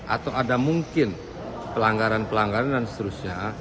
atau ada mungkin pelanggaran pelanggaran dan seterusnya